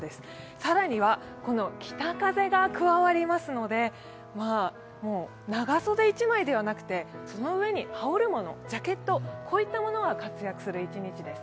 更には、北風が加わりますので、長袖１枚ではなくてその上に羽織るもの、ジャケットが活躍する一日です。